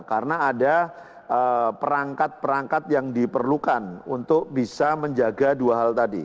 karena ada perangkat perangkat yang diperlukan untuk bisa menjaga dua hal tadi